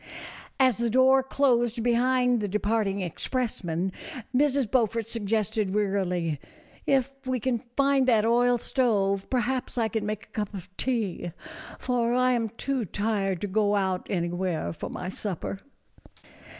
As the door closed behind the departing express men, Mrs. Beaufort suggested, wearily, " If we can find that oil stove, perhaps I can make a cup of tea, for I am too tired to go out anywhere for my supper."